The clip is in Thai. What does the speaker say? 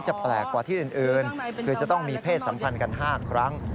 แปลกกว่าที่อื่นคือจะต้องมีเพศสัมพันธ์กัน๕ครั้ง